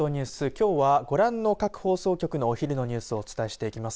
きょうは、ご覧の各放送局のお昼のニュースをお伝えしています。